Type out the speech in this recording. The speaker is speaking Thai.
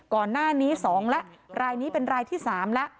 ก่อนหน้านี้๒แล้วรายนี้เป็นรายที่๓แล้ว